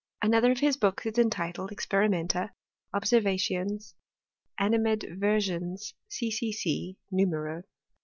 Another of his books is entitled " Experimenta, Ob^ aervationes, Animadversiones, CCC. Numero."